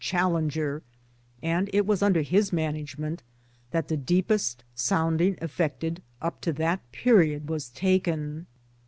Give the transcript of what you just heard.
Challenger, and it was under his management that the deepest sounding effected up to that period 1 was taken.